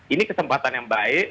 ini kesempatan yang baik